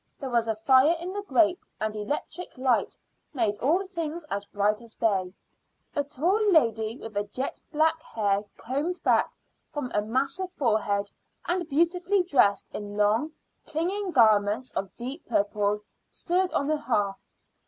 There was a fire in the grate, and electric light made all things as bright as day. A tall lady with jet black hair combed back from a massive forehead, and beautifully dressed in long, clinging garments of deep purple, stood on the hearth.